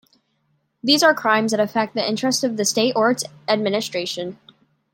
These are crimes that affect the interests of the state or its administration.